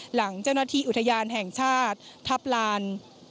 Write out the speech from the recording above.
หลังเจ้าหน้าที่อุทยานแห่งชาติทัพลาน